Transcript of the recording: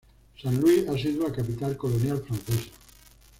Saint Louis ha sido la capital colonial francesa.